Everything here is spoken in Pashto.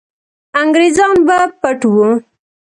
انګریزان به پټ وو.